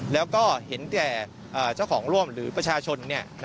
แล้วก็เห็นแก่เจ้าของร่วมหรือประชาชน